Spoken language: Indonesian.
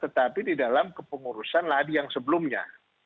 tetapi di dalam kepengurusan ladi yang sebelumnya